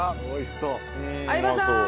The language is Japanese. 相葉さん！